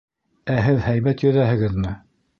Ә һеҙ һәйбәт йөҙәһегеҙме?